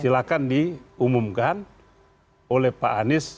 silahkan diumumkan oleh pak anies